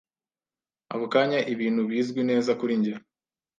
Ako kanya ibintu bizwi neza kuri njye